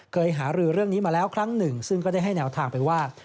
เคยหารือเรื่องนี้มาแล้วครั้งหนึ่งซึ่งก็ได้ให้แนวทางไปว่า